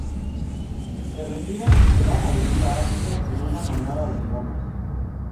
Se retira y se va a vivir a África en una manada de leones.